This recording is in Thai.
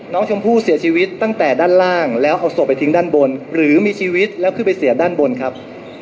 น้องชมพู่เสียชีวิตตั้งแต่ด้านล่างแล้วเอาศพไปทิ้งด้านบนหรือมีชีวิตแล้วขึ้นไปเสียด้านบนครับ